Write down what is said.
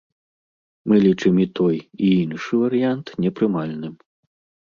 Мы лічым і той, і іншы варыянт непрымальным.